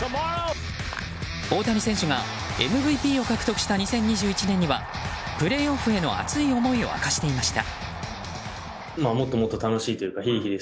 大谷選手がＭＶＰを獲得した２０２１年にはプレーオフへの熱い思いを明かしていました。